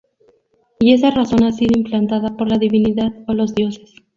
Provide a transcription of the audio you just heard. Y esa razón ha sido implantada por la divinidad o los dioses.